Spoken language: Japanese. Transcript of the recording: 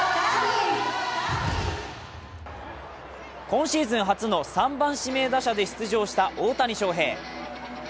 今シーズン初の３番・指名打者で出場した、大谷翔平。